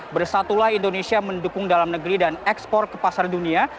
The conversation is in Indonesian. bersatulah indonesia mendukung dalam negeri dan ekspor ke pasar dunia